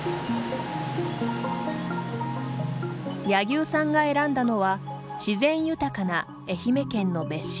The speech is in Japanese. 柳生さんが選んだのは自然豊かな愛媛県の別子山。